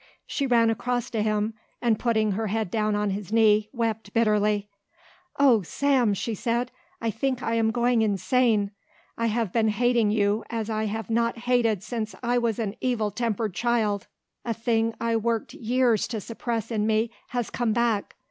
She ran across to him and putting her head down on his knee wept bitterly. "Oh, Sam!" she said, "I think I am going insane. I have been hating you as I have not hated since I was an evil tempered child. A thing I worked years to suppress in me has come back.